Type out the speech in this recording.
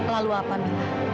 lalu apa minah